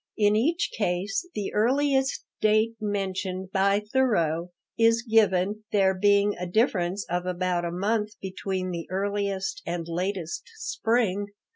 In each case the earliest date mentioned by Thoreau is given, there being a difference of about a month between the earliest and latest spring.